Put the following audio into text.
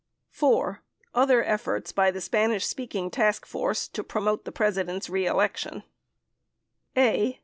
4. OTHER EFFORTS BY THE SPANISH SPEAKING TASK FORCE TO PROMOTE THE PRESIDENT'S REELECTION a.